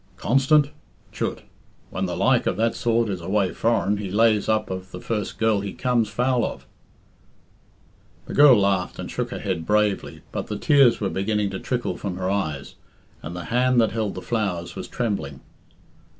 Constant? Chut! When the like of that sort is away foreign, he lays up of the first girl he comes foul of." The girl laughed, and shook her head bravely, but the tears were beginning to trickle from her eyes, and the hand that held the flowers was trembling.